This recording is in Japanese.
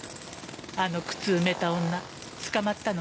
あの靴埋めた女捕まったの？